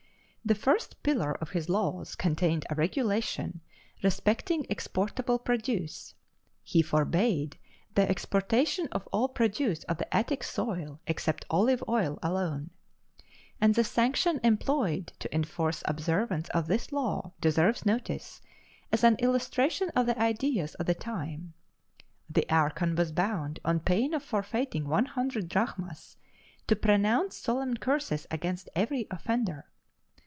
The first pillar of his laws contained a regulation respecting exportable produce. He forbade the exportation of all produce of the Attic soil, except olive oil alone. And the sanction employed to enforce observance of this law deserves notice, as an illustration of the ideas of the time: the archon was bound, on pain of forfeiting one hundred drachmas, to pronounce solemn curses against every offender.